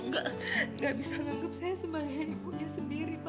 gak bisa nganggep saya sebagai ibunya sendiri pa